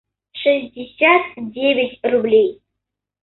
шестьдесят девять рублей